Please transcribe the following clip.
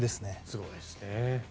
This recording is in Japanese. すごいですね。